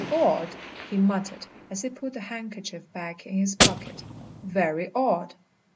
"Odd!" he muttered as he put the handkerchief back in his pocket. "Very odd!"